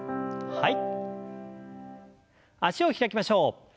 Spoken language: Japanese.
はい。